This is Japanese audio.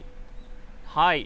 はい。